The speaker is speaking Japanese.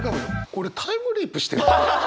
俺タイムリープしてる？